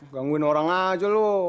gangguin orang aja lo